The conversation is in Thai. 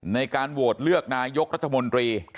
ในการโหวตเลือกนายกรัฐมนตรี